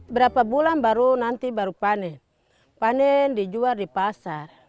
berapa bulan baru nanti baru panen dijual di pasar